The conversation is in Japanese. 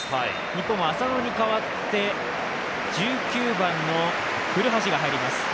日本は浅野に代わって１９番の古橋が入ります。